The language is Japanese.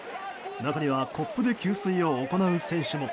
中にはコップで給水を行う選手も。